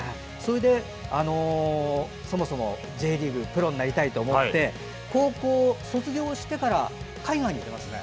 それで、Ｊリーグプロになりたいと思って高校卒業してから海外に行ってますよね。